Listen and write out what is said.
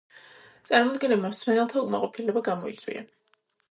წარმოდგენებმა მსმენელთა უკმაყოფილება გამოიწვია.